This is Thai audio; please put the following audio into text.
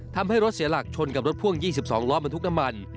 ทำให้รถเสียหลักชนกับรถพ่วง๒๒ล้อบรรทุกน้ำมัน